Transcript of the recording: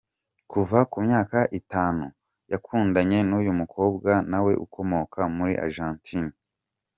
Kuva ku myaka itanu, yakundanye n’uyu mukobwa nawe ukomoka muri Argentine.